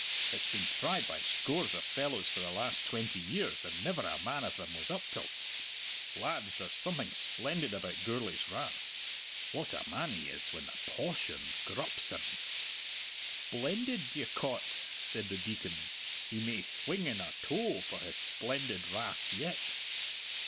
It's been tried by scores of fellows for the last twenty years, and never a man of them was up till't! Lads, there's something splendid about Gourlay's wrath. What a man he is when the paw sion grups him!" "Thplendid, d'ye ca't?" said the Deacon. "He may thwing in a towe for his thplendid wrath yet."